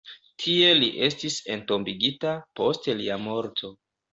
Tie li estis entombigita post lia morto.